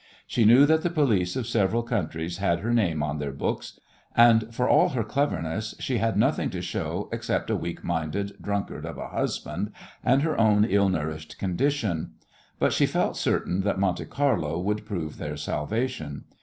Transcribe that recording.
She knew that the police of several countries had her name on their books, and for all her cleverness she had nothing to show except a weak minded drunkard of a husband and her own ill nourished condition. But she felt certain that Monte Carlo would prove their salvation.